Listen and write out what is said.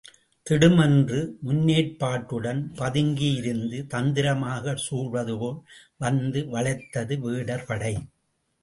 திடுமென்று முன்னேற்பாட்டுடன் பதுங்கியிருந்து தந்திரமாகச் சூழ்வதுபோல் வந்து வளைத்தது வேடர் படை.